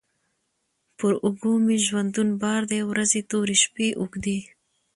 پر اوږو مي ژوندون بار دی ورځي توري، شپې اوږدې